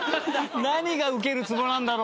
何がウケるツボなんだろ？